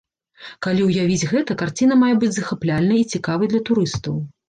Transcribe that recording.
Калі ўявіць гэта, карціна мае быць захапляльнай і цікавай для турыстаў.